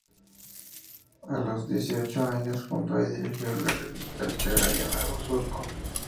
A los dieciocho años fundó y dirigió la revista literaria "Nuevo Surco".